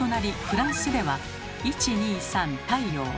フランスでは「１２３太陽」。